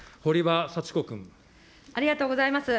ありがとうございます。